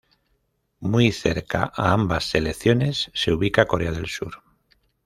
Muy cerca a ambas selecciones se ubica Corea del Sur.